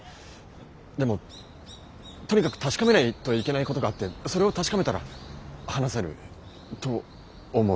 でもとにかく確かめないといけないことがあってそれを確かめたら話せると思う。